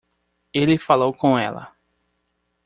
Ele falou com ela.